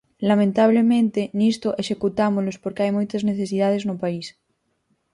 Lamentablemente, nisto executámolos porque hai moitas necesidades no país.